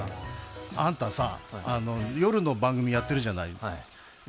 あんたさ、夜の番組やってるじゃない？